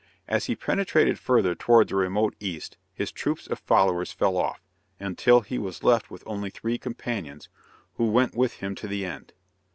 As he penetrated further toward the remote East, his troops of followers fell off, until he was left with only three companions, who went with him to the end.